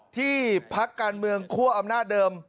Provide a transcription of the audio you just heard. พักการเมืองคั่วอำนาจเดิม